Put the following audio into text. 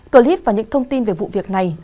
clip và những thông tin về vụ việc này